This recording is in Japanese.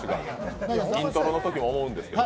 イントロとき思うんですけど。